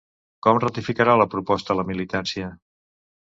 Com ratificarà la proposta la militància?